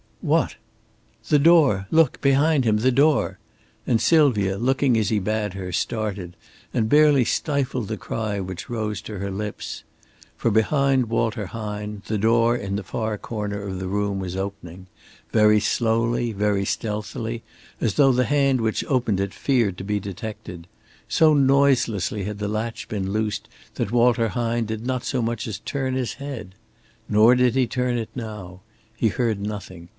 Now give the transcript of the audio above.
"What?" "The door. Look! Behind him! The door!" And Sylvia, looking as he bade her, started, and barely stifled the cry which rose to her lips. For behind Walter Hine, the door in the far corner of the room was opening very slowly, very stealthily, as though the hand which opened it feared to be detected. So noiselessly had the latch been loosed that Walter Hine did not so much as turn his head. Nor did he turn it now. He heard nothing.